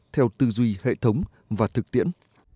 theo tư duy hệ thống và thực tiễn